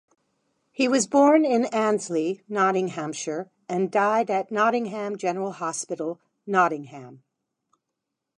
He was born in Annesley, Nottinghamshire and died at Nottingham General Hospital, Nottingham.